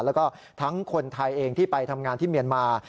แล้วก็ทั้งคนไทยเองที่ไปทำงานที่เมียนมา